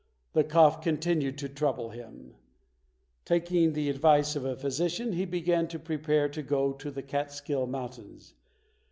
The cough continued to trouble him. Taking the advice of a physician, he began to prepare to go to the Catskill Mountains.